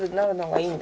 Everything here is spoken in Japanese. はい。